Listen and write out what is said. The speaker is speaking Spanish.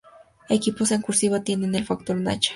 Equipos en "cursiva" tienen el factor cancha.